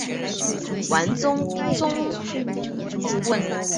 完颜宗弼。